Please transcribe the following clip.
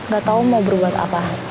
gatau mau berbuat apa